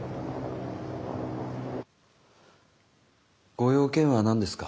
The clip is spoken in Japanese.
ご用件は何ですか？